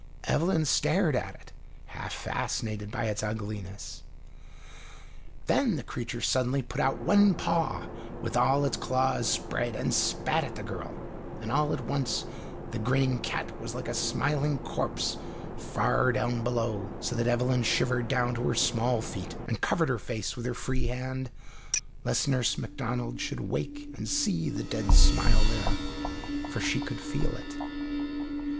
Evelyn stared at it, half fascinated by its ugliness. Then the creature suddenly put out one paw with all its claws spread, and spat at the girl, and all at once the grinning cat was like the smiling corpse far down below, so that Evelyn shivered down to her small feet, and covered her face with her free hand, lest Nurse Macdonald should wake and see the dead smile there, for she could feel it.